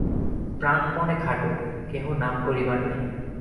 প্রাণপণে খাটো-কেহ নাম করিবার নাই।